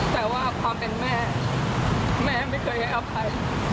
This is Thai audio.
แต่ว่าความเป็นแม่แม่ไม่เคยให้อภัย